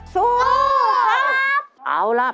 สู้ครับ